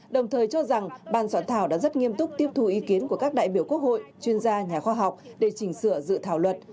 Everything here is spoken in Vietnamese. đồng thời cho rằng ban soạn thảo đã rất nghiêm túc tiếp thù ý kiến của các đại biểu quốc hội chuyên gia nhà khoa học để chỉnh sửa dự thảo luật